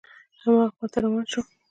هماغه خواته روان شوم.